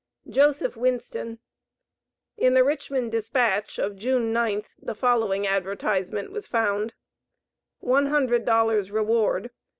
Joseph Winston. In the Richmond Dispatch, of June 9th, the following advertisement was found: ONE HUNDRED DOLLARS REWARD.